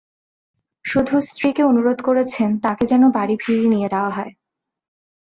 শুধু স্ত্রীকে অনুরোধ করেছেন তাঁকে যেন বাড়ি ফিরিয়ে নিয়ে যাওয়া হয়।